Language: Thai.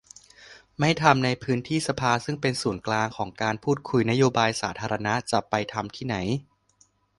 ไม่ทำในพื้นที่สภาซึ่งเป็นศูนย์กลางของการพูดคุยนโยบายสาธารณะ จะไปทำที่ไหน